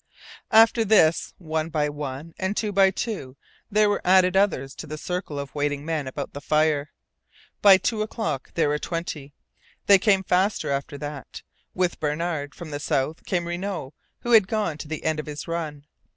After this, one by one, and two by two, there were added others to the circle of waiting men about the fire. By two o'clock there were twenty. They came faster after that. With Bernard, from the south, came Renault, who had gone to the end of his run.